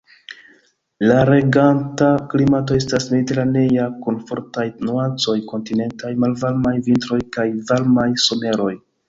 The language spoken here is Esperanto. La reganta klimato estas mediteranea kun fortaj nuancoj kontinentaj; malvarmaj vintroj kaj varmaj someroj.